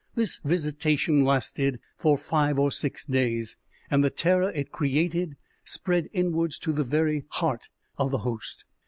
This visitation lasted for five or six days, and the terror it created spread inwards to the very heart of the host.